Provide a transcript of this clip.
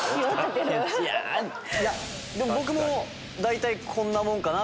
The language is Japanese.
いやでも僕も大体こんなもんかなって。